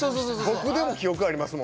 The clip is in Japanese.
僕でも記憶あります